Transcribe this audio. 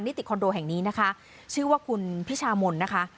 ติคอนโดแห่งนี้นะคะชื่อว่าคุณพิชามนนะคะ